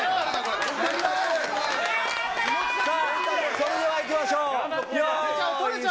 それではいきましょう。